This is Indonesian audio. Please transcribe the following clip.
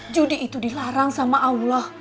judi itu dilarang sama allah